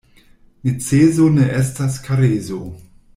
Neceso ne estas kareso.